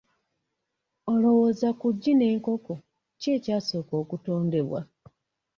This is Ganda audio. Olowooza ku ggi n'enkoko ki ekyasooka okutondebwa?